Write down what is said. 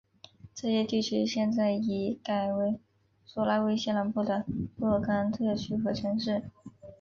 这些地区现在已改为苏拉威西南部的若干特区和城市。